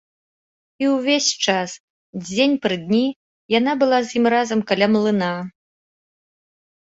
І ўвесь час, дзень пры дні, яна была з ім разам каля млына.